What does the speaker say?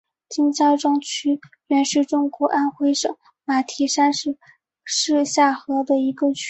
金家庄区原是中国安徽省马鞍山市下辖的一个区。